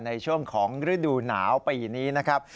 ในช่วงของฤดูหนาวปีนี้นะครับ